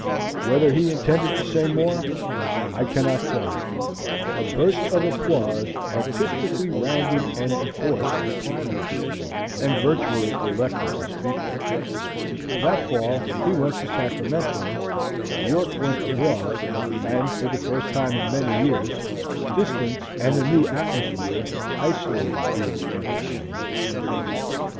Whether he intended to say more, I cannot tell; a burst of applause artistically rounded and enforced the climax, and virtually elected the speaker. That fall he went to Sacramento, York went abroad; and for the first time in many years, distance and a new atmosphere isolated the old antagonists.